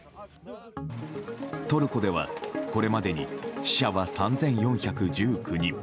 トルコではこれまでに死者は３４１９人。